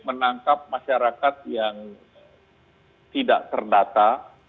menangkap masyarakat yang tidak terdata